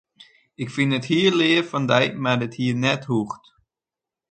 Ik fyn it hiel leaf fan dy, mar it hie net hoegd.